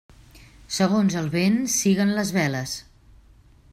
Segons el vent siguen les veles.